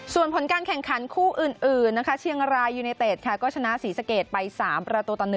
ส่วนผลการแข่งขันคู่อื่นนะคะเชียงรายยูเนเต็ดค่ะก็ชนะศรีสะเกดไป๓ประตูต่อ๑